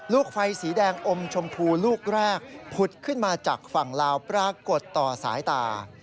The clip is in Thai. ลูกไฟสีแดงอมชมพูลูกแรกผุดขึ้นมาจากฝั่งลาวปรากฏต่อสายตา